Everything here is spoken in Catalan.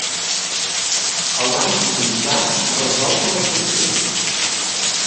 El van cuitar a resoldre la qüestió.